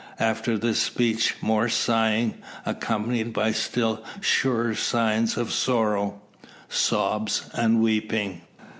After this speech, more sighing, accompanied by still surer signs of sorrow sobs and weeping.